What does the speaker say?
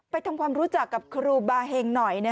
ทำความรู้จักกับครูบาเฮงหน่อย